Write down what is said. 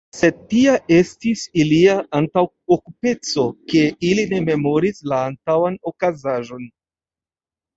Sed tia estis ilia antaŭokupiteco, ke ili ne memoris la antaŭan okazaĵon.